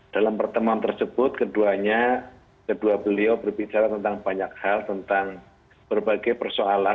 dalam pertemuan tersebut keduanya kedua beliau berbicara tentang banyak hal tentang berbagai persoalan